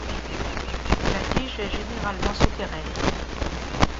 La tige est généralement souterraine.